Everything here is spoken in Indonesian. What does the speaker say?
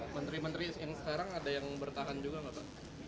menteri menteri yang sekarang ada yang bertahan juga nggak pak